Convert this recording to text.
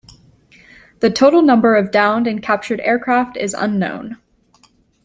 The total number of downed and captured aircraft is unknown.